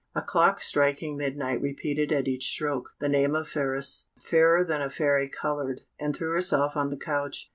A clock striking midnight repeated at each stroke the name of Phratis. Fairer than a Fairy coloured, and threw herself on the couch.